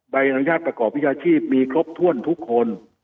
ใบอนุญาตประกอบวิชาชีพมีครบถ้วนทุกคน